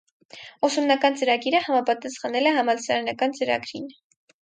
Ուսումնական ծրագիրը համապատասխանել է համալսարանական ծրագրին։